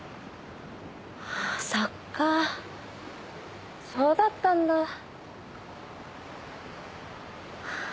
ああそっかそうだったんだ。